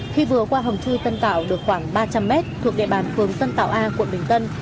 khi vừa qua hồng chui tân cảo được khoảng ba trăm linh m thuộc địa bàn phường tân tảo a quận bình tân